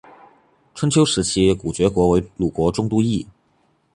春秋时期古厥国为鲁国中都邑。